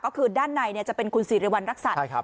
ก็คือด้านในเนี่ยจะเป็นคุณศรีรวรรณรักษัตริย์ใช่ครับ